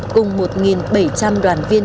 cùng một bảy trăm linh đoàn viên